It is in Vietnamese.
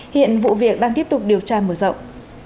hiện vụ việc đang tiếp tục điều tra mở rộng